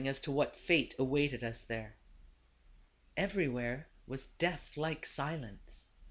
as to what fate awaited us there. Everywhere was death like silence.